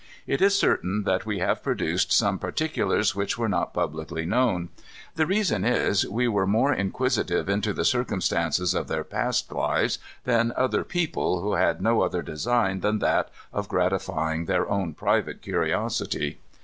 It is certain that we have produced some particulars which were not publicly known. The reason is we were more inquisitive into the circumstances of their past lives than other people who had no other design than that of gratifying their own private curiosity.